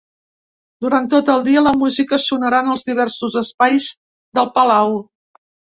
Durant tot el dia, la música sonarà en els diversos espais del palau.